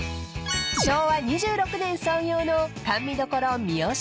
［昭和２６年創業の甘味どころ三芳］